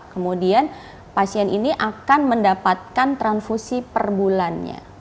kemudian pasien ini akan mendapatkan transfusi perbulannya